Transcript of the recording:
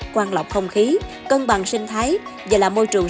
quan lọc không khí cân bằng sinh thái và là môi trường